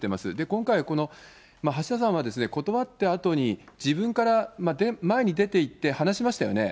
今回、この橋田さんは断ったあとに自分から前に出ていって話しましたよね。